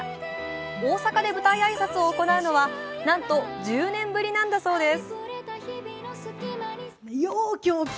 大阪で舞台挨拶を行うのはなんと１０年ぶりなんだそうです。